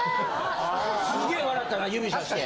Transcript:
すげえ笑ったな指さして。